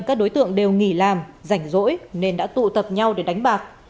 các đối tượng đều nghỉ làm rảnh rỗi nên đã tụ tập nhau để đánh bạc